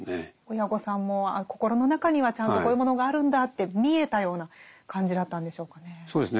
親御さんもあ心の中にはちゃんとこういうものがあるんだって見えたような感じだったんでしょうかね。